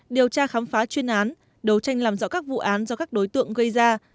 điều tra khám phá chuyên án đấu tranh làm rõ các vụ án do các đối tượng gây ra